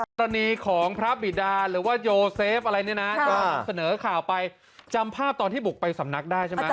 กรณีของพระบิดาหรือว่าโยเซฟอะไรเนี่ยนะที่เรานำเสนอข่าวไปจำภาพตอนที่บุกไปสำนักได้ใช่ไหม